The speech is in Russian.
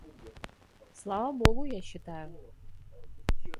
Слава Богу, я считаю.